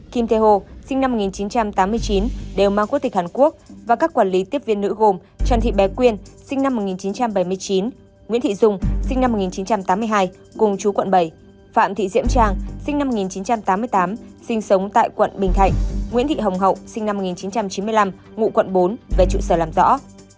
kim tae ho sinh năm một nghìn chín trăm tám mươi chín đều mang quốc tịch hàn quốc và các quản lý tiếp viên nữ gồm trần thị bé quyên sinh năm một nghìn chín trăm bảy mươi chín nguyễn thị dung sinh năm một nghìn chín trăm tám mươi hai cùng chú quận bảy phạm thị diễm trang sinh năm một nghìn chín trăm tám mươi tám sinh sống tại quận bình thạnh nguyễn thị hồng hậu sinh năm một nghìn chín trăm chín mươi năm ngụ quận bốn về trụ sở làm rõ